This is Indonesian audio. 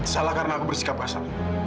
salah karena aku bersikap asal